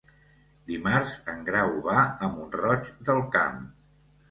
Dimarts en Grau va a Mont-roig del Camp.